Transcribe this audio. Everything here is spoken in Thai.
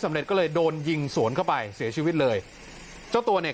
เด็จก็เลยโดนยิงสวนเข้าไปเสียชีวิตเลยเจ้าตัวเนี่ย